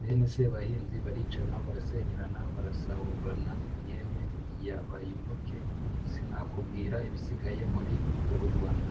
bene sebahinzi baricana barasenyerana barasahurana yewe biryabayoboke sinakubwira ibisigaye muri uru rwanda.